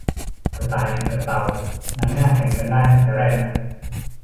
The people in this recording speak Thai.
กระต่ายแข่งกับเต่า มันไม่น่าแข่งกันได้ตั้งแต่แรกนะ